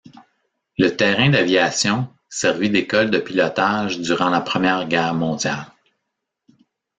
Le terrain d'aviation servit d'école de pilotage durant la Première Guerre mondiale.